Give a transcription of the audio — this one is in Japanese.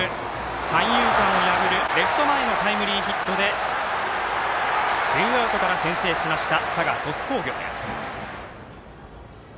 三遊間を破るタイムリーヒットでツーアウトから先制しました佐賀、鳥栖工業です。